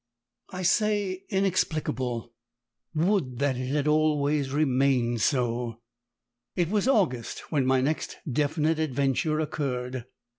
I say inexplicable would that it had always remained so! It was August when my next definite adventure occurred.